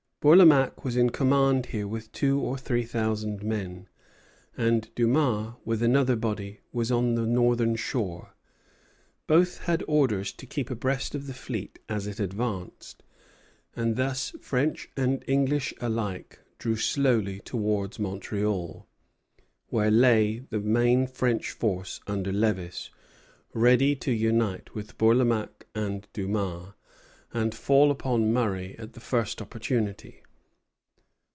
Bourlamaque was in command here with two or three thousand men, and Dumas, with another body, was on the northern shore. Both had orders to keep abreast of the fleet as it advanced; and thus French and English alike drew slowly towards Montreal, where lay the main French force under Lévis, ready to unite with Bourlamaque and Dumas, and fall upon Murray at the first opportunity.